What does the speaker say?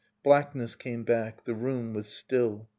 Blackness came back. The room was still.